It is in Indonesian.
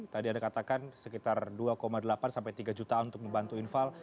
tadi ada katakan sekitar dua delapan sampai tiga jutaan untuk membantu infal